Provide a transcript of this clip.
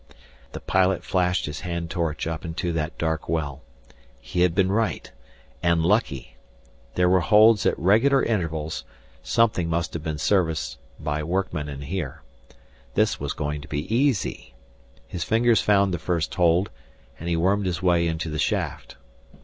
The pilot flashed his hand torch up into that dark well. He had been right and lucky! There were holds at regular intervals, something must have been serviced by workmen in here. This was going to be easy. His fingers found the first hold, and he wormed his way into the shaft.